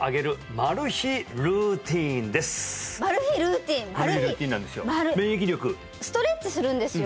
マル秘ルーティンなんですよ